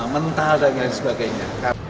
mentah dan lain sebagainya